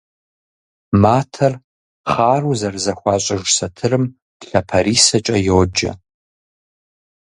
Матэр хъару зэрызэхуащӏыж сатырым лъапэрисэкӏэ йоджэ.